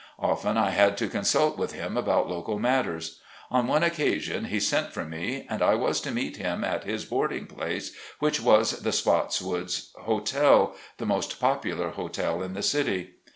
Often I had to con sult with him about local matters. On one occa sion he sent for me, and I was to meet him at his boarding place, which was the Spots Woods Hotel, the most popular hotel in the city.